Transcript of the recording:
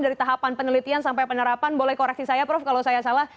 dari tahapan penelitian sampai penerapan boleh koreksi saya prof kalau saya salah